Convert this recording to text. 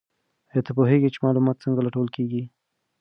ایا ته پوهېږې چې معلومات څنګه لټول کیږي؟